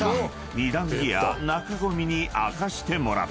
ニダンギア中込に明かしてもらった］